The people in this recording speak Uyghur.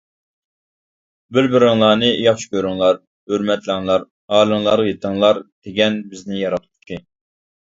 «بىر-بىرىڭلارنى ياخشى كۆرۈڭلار، ھۆرمەتلەڭلار، ھالىڭلارغا يېتىڭلار» دېگەن بىزنى ياراتقۇچى.